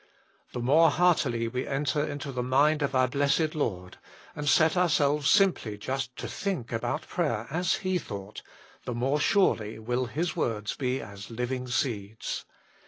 The more heartily we enter into the mind of our blessed Lord, and set ourselves simply just to think about prayer as He thought, the more surely will His words be as living seeds.